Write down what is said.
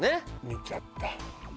見ちゃった。